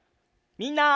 みんな！